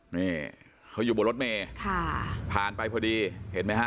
นี่เขาอยู่บนรถเมย์ค่ะผ่านไปพอดีเห็นไหมฮะ